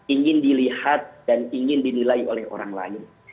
ingin dilihat dan ingin dinilai oleh orang lain